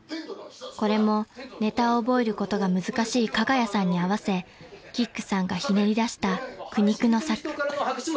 ［これもネタを覚えることが難しい加賀谷さんに合わせキックさんがひねり出した苦肉の策］